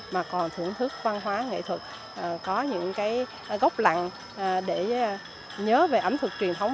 mà còn thưởng thức văn hóa nghệ thuật có những cái gốc lặng để nhớ về ẩm thực truyền thống